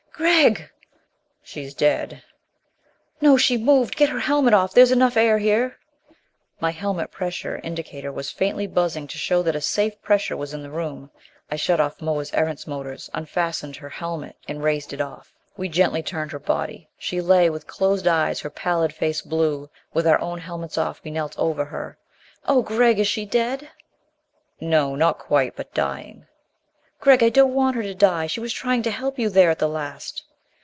"Gregg!" "She's dead." "No! She moved! Get her helmet off! There's enough air here." My helmet pressure indicator was faintly buzzing to show that a safe pressure was in the room. I shut off Moa's Erentz motors, unfastened her helmet and raised it off. We gently turned her body. She lay with closed eyes, her pallid face blue. With our own helmets off, we knelt over her. "Oh, Gregg is she dead?" "No. Not quite but dying." "Gregg, I don't want her to die! She was trying to help you there at the last."